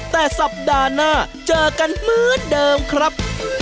แต่สัปดาห์หน้าเจอกันเหมือนเดิมครับ